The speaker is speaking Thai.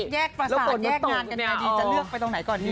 แยกประสาทแยกงานกันไปดีจะเลือกไปตรงไหนก่อนดี